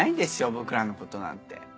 僕らのことなんて。